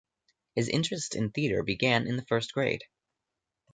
His interest in theatre began in the first grade.